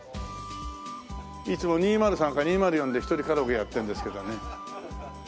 いつも２０３か２０４で一人カラオケやってるんですけどね。